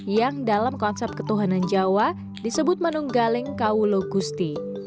yang dalam konsep ketuhanan jawa disebut manunggaleng kaulo gusti